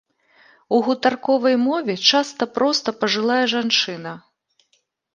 У гутарковай мове часта проста пажылая жанчына.